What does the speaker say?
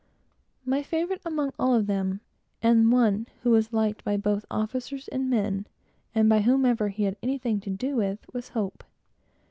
My favorite among all of them, and one who was liked by both officers and men, and by whomever he had anything to do with, was Hope.